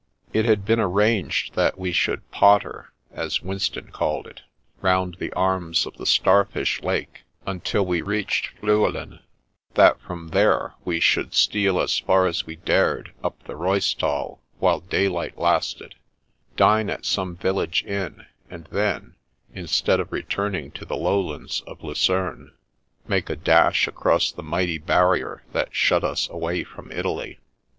63 The Wings of the Wind 63 It had been arranged that we should " potter " (as Winston called it) round the arms of the star fish lake, until we reached Fliielen; that from there we should steal as far as we dared up the Reussthal while daylight lasted, dine at some village inn, and then, instead of returning to the lowlands of Lu cerne, make a dash across the mighty barrier that shut us away from Italy.